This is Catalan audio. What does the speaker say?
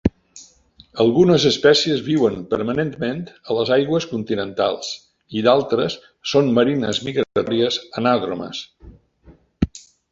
Algunes espècies viuen permanentment a les aigües continentals i d'altres són marines migratòries anàdromes.